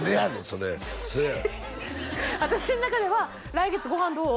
それ私の中では「来月ご飯どう？」